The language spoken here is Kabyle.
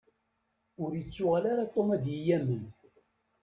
Ur ittuɣal ara Tom ad yi-yamen.